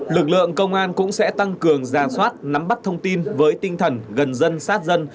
lực lượng công an cũng sẽ tăng cường giả soát nắm bắt thông tin với tinh thần gần dân sát dân